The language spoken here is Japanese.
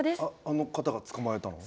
あの方が捕まえたの？